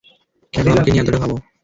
কেন আমাকে নিয়ে এতটা ভাবো?